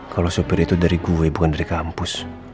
kalau sopir itu dari gue bukan dari kampus